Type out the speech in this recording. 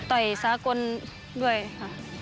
ต่อยสากลด้วยค่ะ